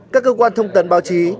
các cơ quan thông tấn báo chí